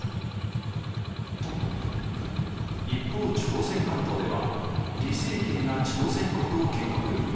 一方朝鮮半島では李成桂が朝鮮国を建国。